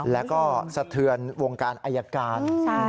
และก็เศรษฐ์เมินในวงการอัยการ